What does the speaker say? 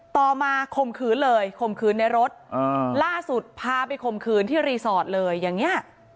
ต่อมาข่มขืนเลยข่มขืนในรถล่าสุดพาไปข่มขืนที่รีสอร์ทเลยอย่างนี้